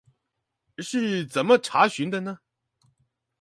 是怎麼查詢的呢？